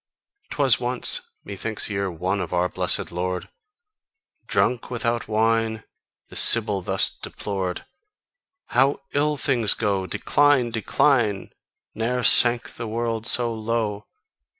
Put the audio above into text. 'Twas once methinks year one of our blessed Lord, Drunk without wine, the Sybil thus deplored: "How ill things go! Decline! Decline! Ne'er sank the world so low!